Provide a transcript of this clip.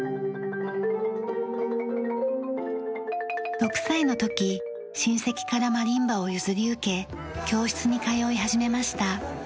６歳の時親戚からマリンバを譲り受け教室に通い始めました。